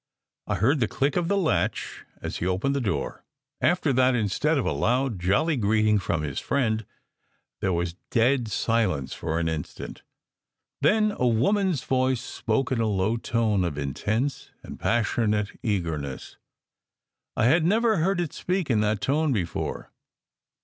I heard the click of the latch as he opened the door. After that, instead of a loud, jolly greeting from his friend, there was dead silence for an instant. Then a woman s voice spoke in a low tone of intense and passionate eagerness. I had never heard it speak in that tone before.